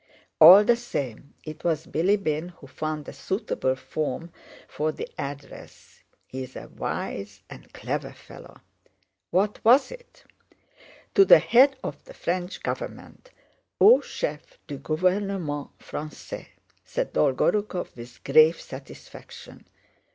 "All the same, it was Bilíbin who found a suitable form for the address. He is a wise and clever fellow." "What was it?" "To the Head of the French Government... Au chef du gouvernement français," said Dolgorúkov, with grave satisfaction.